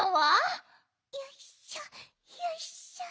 よいしょよいしょ。